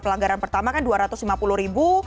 pelanggaran pertama kan dua ratus lima puluh ribu